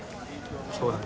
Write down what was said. そうだね。